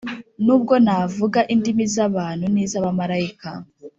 nubwo navuga indimi z abantu n iz abamarayika